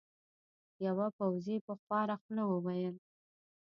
یوه پوځي په خواره خوله وویل.